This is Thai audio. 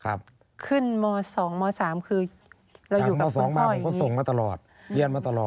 จากม๒มาผมก็ส่งมาตลอดเรียนมาตลอด